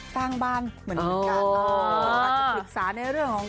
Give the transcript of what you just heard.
แต่เอาจริงนะ